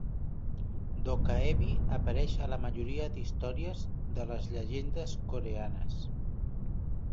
Dokkaebi apareix a la majoria d'històries de les llegendes coreanes.